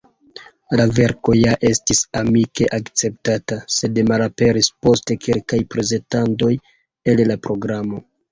La verko ja estis amike akceptata, sed malaperis post kelkaj prezentadoj el la programo.